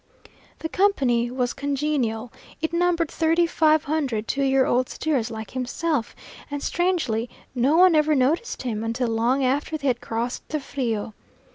The company was congenial; it numbered thirty five hundred two year old steers like himself, and strangely no one ever noticed him until long after they had crossed the Frio.